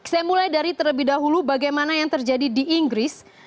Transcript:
saya mulai dari terlebih dahulu bagaimana yang terjadi di inggris